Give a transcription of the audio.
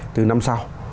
từ năm sau